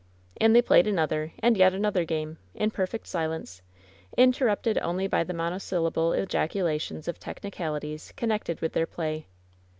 And they played another, and yet another, game, in perfect silence, interrupted only by the monosyllable ejaculations of technicalities connected with their play.